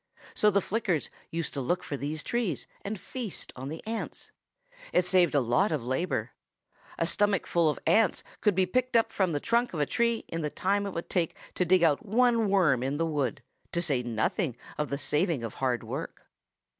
So the Flickers used to look for these trees and feast on the ants. It saved a lot of labor. A stomachful of ants could be picked from the trunk of a tree in the time it would take to dig out one worm in the wood, to say nothing of the saving of hard work.